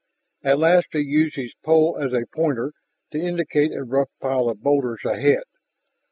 At last he used his pole as a pointer to indicate a rough pile of boulders ahead.